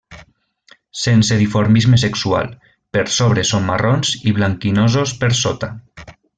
Sense dimorfisme sexual, per sobre són marrons i blanquinosos per sota.